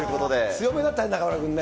強めだったね、中丸君ね。